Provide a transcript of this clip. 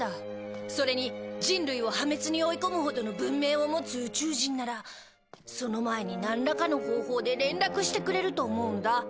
それに人類を破滅に追い込むほどの文明を持つ宇宙人ならその前になんらかの方法で連絡してくれると思うんだ。